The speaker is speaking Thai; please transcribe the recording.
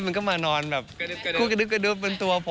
เอลิสมันก็มานอนแบบ